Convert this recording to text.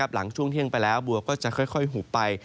หลังช่วงเที่ยงไปแล้วบัวก็จะค่อยหุบไป